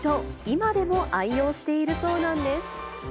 今でも愛用しているそうなんです。